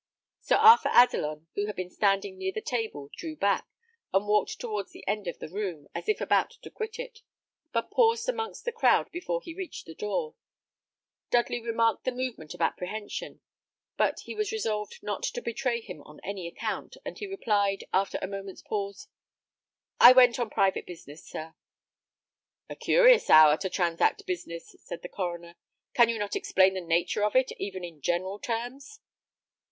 Sir Arthur Adelon, who had been standing near the table, drew back, and walked towards the end of the room, as if about to quit it, but paused amongst the crowd before he reached the door. Dudley remarked the movement of apprehension; but he was resolved not to betray him on any account, and he replied, after a moment's pause, "I went on private business, sir." "A curious hour to transact business," said the coroner. "Can you not explain the nature of it, even in general terms?"